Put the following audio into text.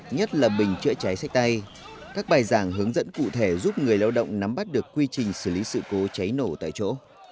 nhất là bình chữa cháy sách tay các bài giảng hướng dẫn cụ thể giúp người lao động nắm bắt được quy trình xử lý sự cố cháy nổ tại chỗ